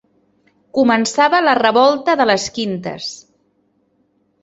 Començava la Revolta de les Quintes.